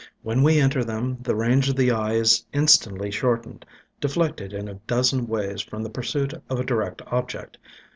When we enter them, the range of the eye is instantly short ened, deflected in a dozen ways from the pursuit of a direct object.